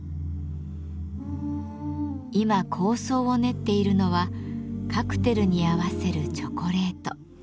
今構想を練っているのはカクテルに合わせるチョコレート。